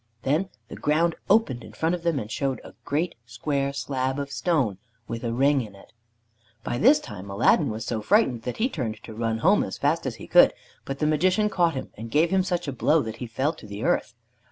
Then the ground opened in front of them, and showed a great square slab of stone with a ring in it. By this time Aladdin was so frightened that he turned to run home as fast as he could, but the Magician caught him, and gave him such a blow that he fell to the earth.